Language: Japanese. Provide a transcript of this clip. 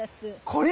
これ。